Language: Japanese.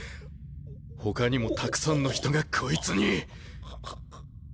他にもたくさんの人がこいつに。